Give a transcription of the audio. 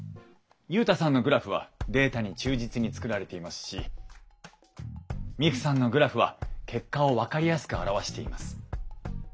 ユウタさんのグラフはデータに忠実に作られていますしミクさんのグラフは結果を分かりやすく表しています。